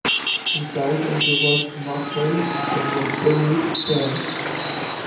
He died on the road to Marseille, and was buried there.